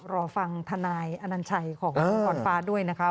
รอฟังทนายอนัญชัยของคุณพรฟ้าด้วยนะคะ